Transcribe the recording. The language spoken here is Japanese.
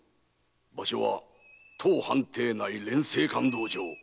場所は当藩邸内練成館道場。